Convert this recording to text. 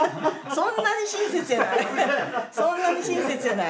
そんなに親切じゃない。